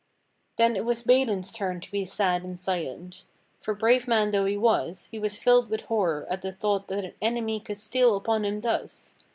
Then it was Balin's turn to be sad and silent, for brave man though he was, he was filled with horror at the thought that an enemy could steal upon him thus.